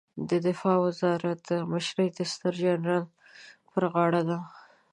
د دفاع وزارت مشري د ستر جنرال په غاړه ده